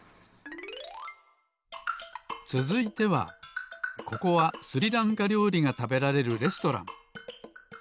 つづいてはここはスリランカりょうりがたべられるレストラン。